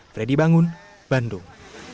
freddy bangun bandung